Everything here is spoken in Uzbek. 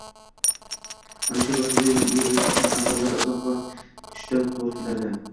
Mana shu vositalarga ega boʻlish uchun avvallari uzoq vaqt kutishga toʻgʻri kelardi.